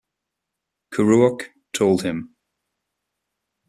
Kerouac told him.